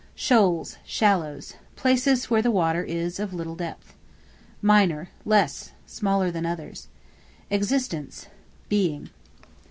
Shoals, shallows; places where the water is of little depth. Minor, less, smaller than others. Existence, being.